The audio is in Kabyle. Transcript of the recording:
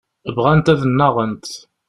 Bɣant ad nnaɣent.